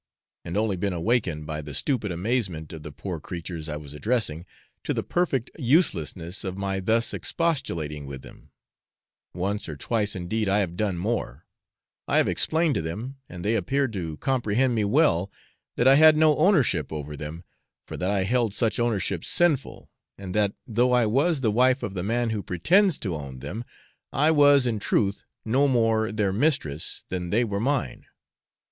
and only been awakened, by the stupid amazement of the poor creatures I was addressing, to the perfect uselessness of my thus expostulating with them; once or twice indeed I have done more I have explained to them, and they appeared to comprehend me well, that I had no ownership over them, for that I held such ownership sinful, and that, though I was the wife of the man who pretends to own them, I was in truth no more their mistress than they were mine.